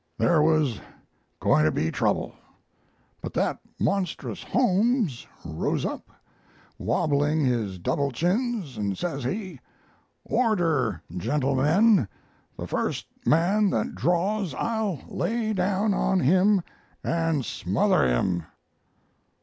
There was going to be trouble; but that monstrous Holmes rose up, wobbling his double chins, and says he, 'Order, gentlemen; the first man that draws I'll lay down on him and smother him!'